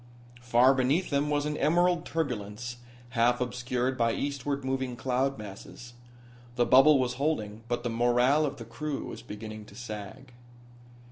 Far beneath them was an emerald turbulence, half obscured by eastward moving cloud masses. The bubble was holding, but the morale of the crew was beginning to sag.